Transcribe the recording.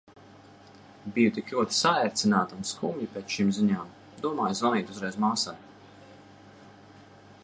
Biju tik ļoti saērcināta un skumja pēc šīm ziņām. Domāju zvanīt uzreiz māsai.